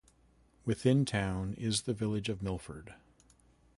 Within town is the village of Milford.